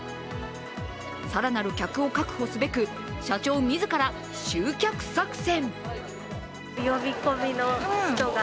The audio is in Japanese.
更なる客を確保すべく、社長自ら集客作戦。